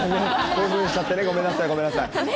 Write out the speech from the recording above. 興奮しちゃってね、ごめんなさい、ごめんなさい。